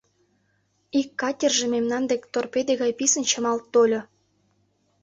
Ик катерже мемнан дек торпеде гай писын чымалт тольо.